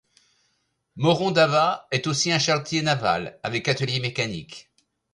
Morondava est aussi un chantier naval avec atelier mécanique.